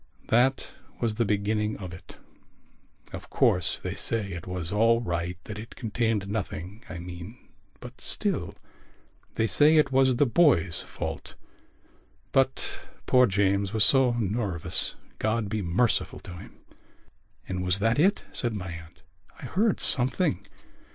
That was the beginning of it. Of course, they say it was all right, that it contained nothing, I mean. But still.... They say it was the boy's fault. But poor James was so nervous, God be merciful to him!" "And was that it?" said my aunt. "I heard something...."